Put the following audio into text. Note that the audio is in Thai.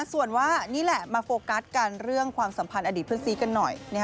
ส่วนว่านี่แหละมาโฟกัสกันเรื่องความสัมพันธ์อดีตเพื่อนซีกันหน่อย